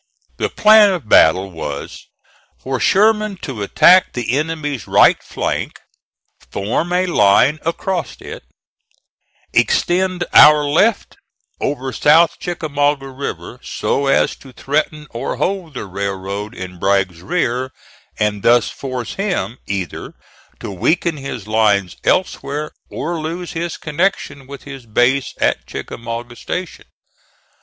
The plan of battle was for Sherman to attack the enemy's right flank, form a line across it, extend our left over South Chickamauga River so as to threaten or hold the railroad in Bragg's rear, and thus force him either to weaken his lines elsewhere or lose his connection with his base at Chickamauga Station.